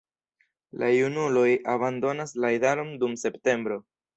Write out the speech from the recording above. La junuloj abandonas la idaron dum septembro.